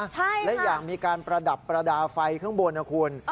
ใช่และอย่างมีการประดับประดาษไฟข้างบนนะคุณ